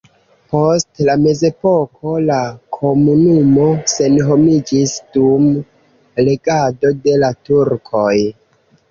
Post la mezepoko la komunumo senhomiĝis dum regado de la turkoj.